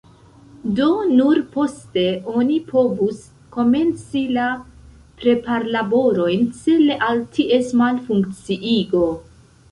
Do nur poste oni povus komenci la preparlaborojn cele al ties malfunkciigo.